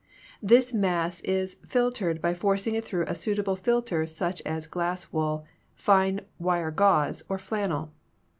This mass is filtered by forcing.it through a suitable filter such as glass wool, fine wire gauze, or flannel.